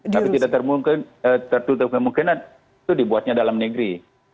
tapi tidak tertutup kemungkinan itu dibuatnya dalam negeri